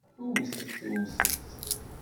Wwtet! Wwtet!